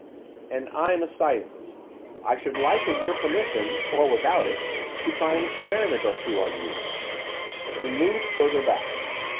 'And I'm a scientist. I should like, with your permission or without it! to try an experiment or two on you.' He moved further back.